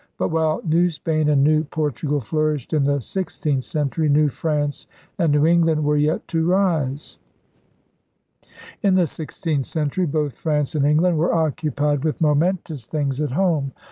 But, while New Spain and New Por tugal flourished in the sixteenth century, New France and New England were yet to rise. In the sixteenth century both France and Eng land were occupied with momentous things at 20 ELIZABETHAN SEA DOGS home.